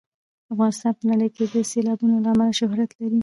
افغانستان په نړۍ کې د سیلابونو له امله شهرت لري.